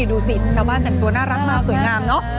ดูสิชาวบ้านแต่งตัวน่ารักมากสวยงามเนอะ